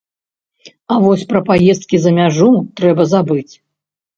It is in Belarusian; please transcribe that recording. А вось пра паездкі за мяжу трэба забыць.